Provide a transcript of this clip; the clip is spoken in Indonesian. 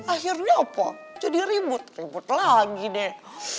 akhirnya opo jadi ribut ribut lagi deh